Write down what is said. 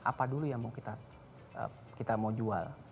apa dulu yang mau kita mau jual